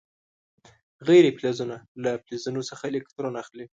غیر فلزونه له فلزونو څخه الکترون اخلي.